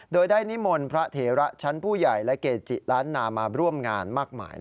โดยได้นิมนต์พระเถระชั้นผู้ใหญ่และเกจิล้านนามาร่วมงานมากมาย